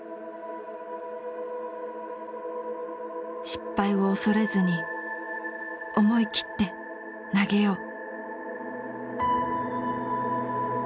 「失敗を恐れずに思い切って投げよう」。